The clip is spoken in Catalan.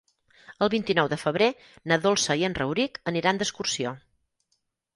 El vint-i-nou de febrer na Dolça i en Rauric aniran d'excursió.